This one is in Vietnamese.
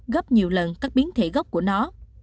gấp nhiều lần các biến thể gốc của nó